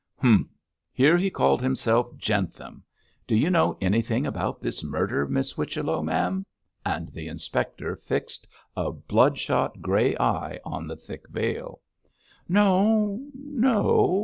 'Humph! here he called himself Jentham. Do you know anything about this murder, Miss Whichello, ma'am?' and the inspector fixed a blood shot grey eye on the thick veil. 'No! no!